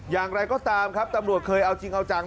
อย่างไรก็ตามครับตำรวจเคยเอาจริงเอาจัง